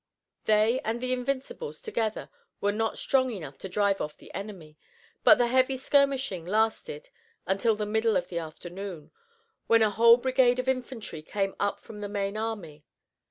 They and the Invincibles together were not strong enough to drive off the enemy, but the heavy skirmishing lasted until the middle of the afternoon, when a whole brigade of infantry came up from the main army.